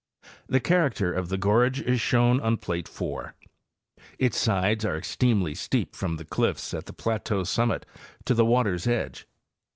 The character of the gorge is shown on plate 4. Its sides are extremely steep from the cliffs at the plateau summit to the water's edge.